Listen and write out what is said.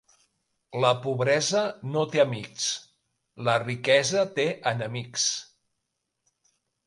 La pobresa no té amics; la riquesa té enemics.